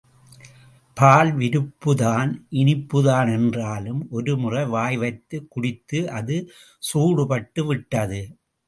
பால் விருப்புதான் இனிப்புதான் என்றாலும் ஒரு முறை வாய்வைத்துக் குடித்து அது சூடுபட்டு விட்டது.